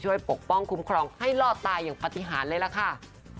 ปกป้องคุ้มครองให้รอดตายอย่างปฏิหารเลยล่ะค่ะ